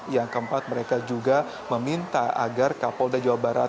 yang keempat mereka juga meminta agar kapolda jawa barat